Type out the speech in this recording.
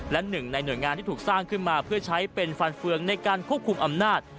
และหนึ่งในหน่วยงานที่ถูกสร้างขึ้นมาเพื่อใช้เป็นฟันเฟืองในการควบคุมอำนาจ